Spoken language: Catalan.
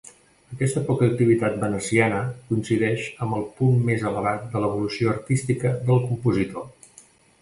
Aquesta poca activitat veneciana coincideix amb el punt més elevat de l'evolució artística del compositor.